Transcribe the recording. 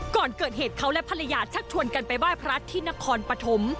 ก่อนเกิดเหตุเขาและภรรยาชักชวนกันไปไหว้พระที่นครปฐม